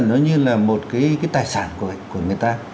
nó như là một cái tài sản của người ta